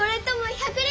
１００Ｌ！